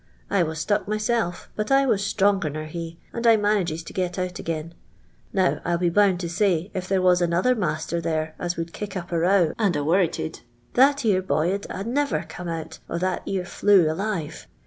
I was stuck myself, bat I was stronger nor he, and I manages to get out again. Now I '11 be bound to say if there wai another master there as would kick up a row and a worrited, that ece boy 'ud a niver coma out o' that ere iue alive.